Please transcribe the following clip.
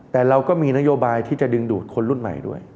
แต่เราก็มีนโยบายที่จะดึงดูดคนรุ่นใหม่ด้วย